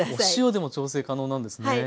お塩でも調整可能なんですね。